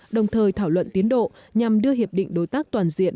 đồng thời thảo luận tiến độ nhằm đưa hiệp định đối tác toàn diện